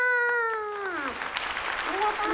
ありがとう。